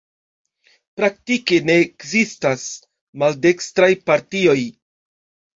Praktike ne ekzistas maldekstraj partioj.